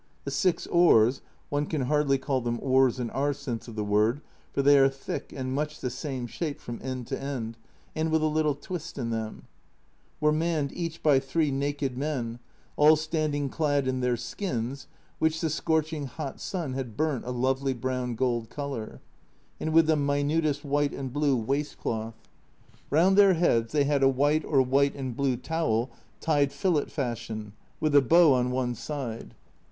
The six oars (one can hardly call them oars in our sense of the word, for they are thick, and much the same shape from end to end, and with A Journal from Japan 55 a little twist in them) were manned each by three naked men, all standing clad in their skins (which the scorching hot sun had burnt a lovely brown gold colour), and with the minutest white and blue waist cloth. Round their heads they had a white or white and blue towel tied fillet fashion, with a bow on one side.